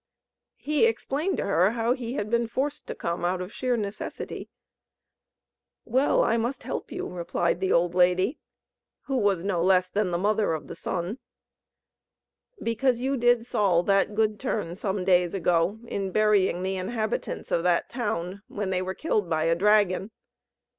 He explained to her how he had been forced to come, out of sheer necessity. "Well, I must help you," replied the old lady, who was no less than the Mother of the Sun, "because you did Sol that good turn some days ago, in burying the inhabitants of that town, when they were killed by a dragon.